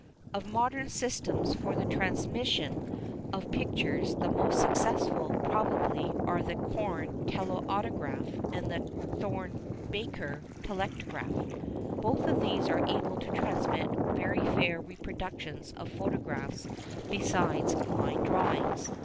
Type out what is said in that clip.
Of modern systems for the transmission of pictures the most successful, probably, are the Korn telautograph and the Thorn Baker telectrograph. Both of these are able to transmit very fair reproductions of photographs besides line drawings.